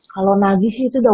kalau nagih sih itu udah